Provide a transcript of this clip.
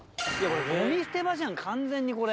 ごみ捨て場じゃん完全にこれ。